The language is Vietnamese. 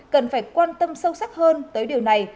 cần phải quan tâm sâu sắc hơn tới điều này